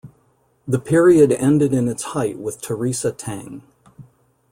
The period ended in its height with Teresa Teng.